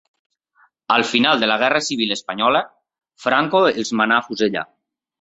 Al final de la guerra civil espanyola, Franco els manà afusellar.